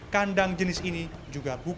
kandang jenis ini juga bukan